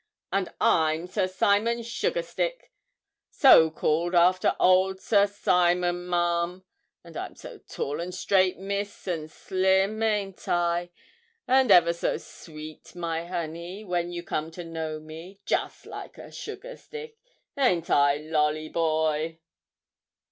and I'm Sir Simon Sugarstick so called after old Sir Simon, ma'am; and I'm so tall and straight, Miss, and slim ain't I? and ever so sweet, my honey, when you come to know me, just like a sugarstick; ain't I, Lolly, boy?'